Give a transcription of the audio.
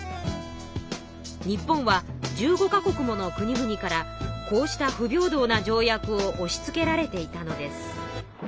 日本は１５か国もの国々からこうした不平等な条約をおしつけられていたのです。